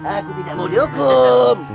aku tidak mau dihukum